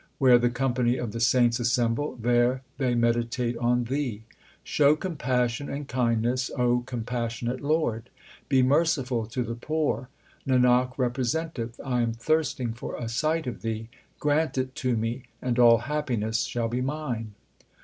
Where the company of the saints assemble, there they meditate on thee. Show compassion and kindness, compassionate lord ; be merciful to the poor. Nanak represented, I am thirsting for a sight of thee, grant it to me, and all happiness shall be mine.